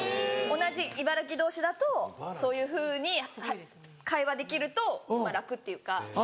同じ茨城同士だとそういうふうに会話できると楽っていうか。